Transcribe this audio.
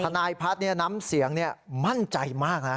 นายพัฒน์น้ำเสียงมั่นใจมากนะ